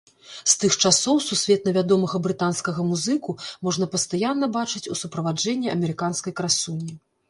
З тых часоў сусветна вядомага брытанскага музыку можна пастаянна бачыць у суправаджэнні амерыканскай красуні.